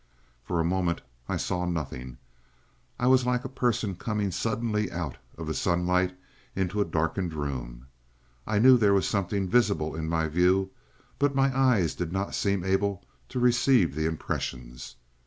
For a moment I saw nothing. I was like a person coming suddenly out of the sunlight into a darkened room. I knew there was something visible in my view, but my eyes did not seem able to receive the impressions.